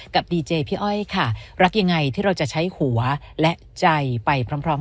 ดีเจพี่อ้อยค่ะรักยังไงที่เราจะใช้หัวและใจไปพร้อม